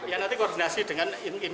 ya nanti koordinasi dengan ini ini kait lah